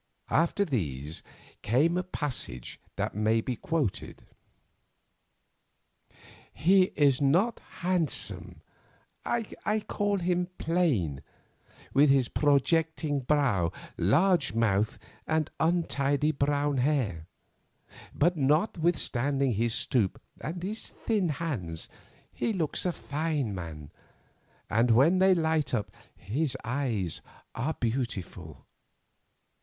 After these came a passage that may be quoted:— "He is not handsome—I call him plain—with his projecting brow, large mouth, and untidy brown hair. But notwithstanding his stoop and his thin hands, he looks a fine man, and, when they light up, his eyes are beautiful.